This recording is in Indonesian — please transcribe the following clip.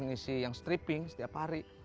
mengisi yang stripping setiap hari